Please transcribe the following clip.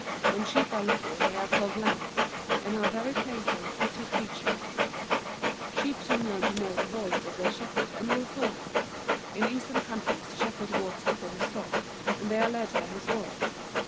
When sheep are little they are called lambs, and are very playful, pretty creatures. [Illustration: SHEEP.] Sheep soon learn to know the voice of their shepherd, and will follow it. In Eastern countries the shepherd walks before his flock, and they are led by his voice.